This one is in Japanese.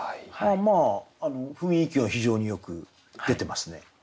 まあ雰囲気は非常によく出てますね。